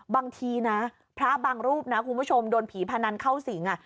บางทีนะพระบางรูปนะคุณผู้ชมโดนผีพนันเข้าสิง